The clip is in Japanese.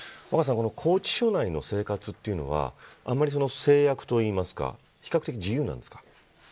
拘置所内の生活はあんまり制約というか比較的、自由なんですか。